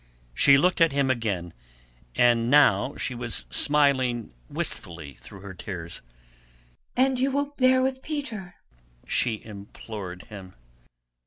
She looked at him again, and now she was smiling wistfully through her tears. "And you will bear with Peter?" she implored him.